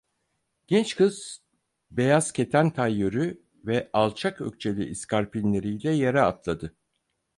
Genç kız beyaz keten tayyörü ve alçak ökçeli iskarpinleriyle yere atladı.